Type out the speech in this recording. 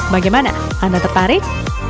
bagaimana anda tertarik